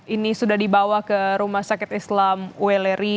ini sudah dibawa ke rumah sakit islam weleri